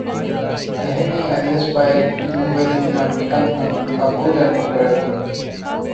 އެހެނީ އަދިވެސް ބައެއް ޢިލްމުވެރިންނަށް މިކަންކަން ޤަބޫލެއް ނުކުރެވެ